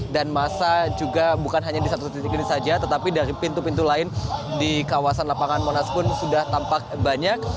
dan masa juga bukan hanya di satu titik ini saja tetapi dari pintu pintu lain di kawasan lapangan monas pun sudah tampak banyak